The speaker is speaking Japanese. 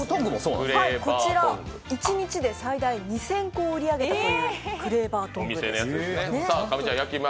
こちら一日で最大２０００個を売り上げたというクレーバートングです。